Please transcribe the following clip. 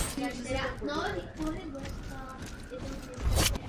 Z hlediska právní úpravy je to začátek.